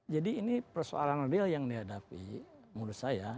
jadi ini persoalan real yang dihadapi menurut saya